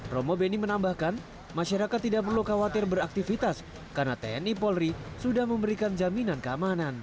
romo beni menambahkan masyarakat tidak perlu khawatir beraktivitas karena tni polri sudah memberikan jaminan keamanan